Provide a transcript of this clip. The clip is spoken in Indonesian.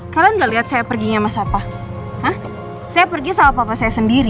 kalian gak lihat saya perginya mas apa saya pergi sama papa saya sendiri